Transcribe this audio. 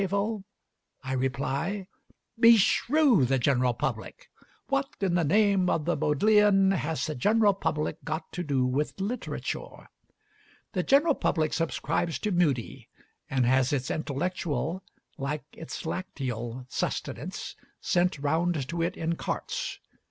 I reply, Beshrew the general public! What in the name of the Bodleian has the general public got to do with literature? The general public subscribes to Mudie, and has its intellectual, like its lacteal sustenance, sent round to it in carts.